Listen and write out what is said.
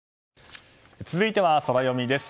続いてはソラよみです。